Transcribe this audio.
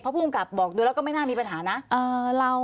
เพราะผู้กำกับบอกดูแล้วก็ไม่น่ามีปัญหานะ